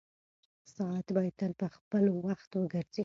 ساعت باید تل په خپل وخت وګرځي.